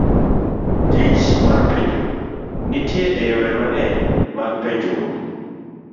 Tich mar penjruok .nitie e yore mang'eny mag penjruok.